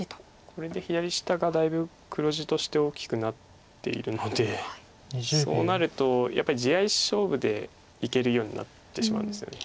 これで左下がだいぶ黒地として大きくなっているのでそうなるとやっぱり地合い勝負でいけるようになってしまうんですよね。